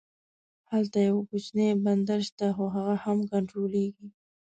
هلته یو کوچنی بندر شته خو هغه هم کنټرولېږي.